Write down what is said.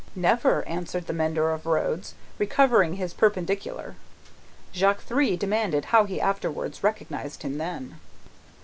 "Never," answered the mender of roads, recovering his perpendicular. Jacques Three demanded how he afterwards recognised him then?